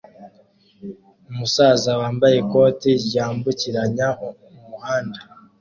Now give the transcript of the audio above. Umusaza wambaye ikote ryambukiranya umuhanda